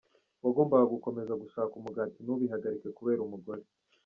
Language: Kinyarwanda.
Wagombaga gukomeza gushaka umugati ntubihagarike kubera umugore.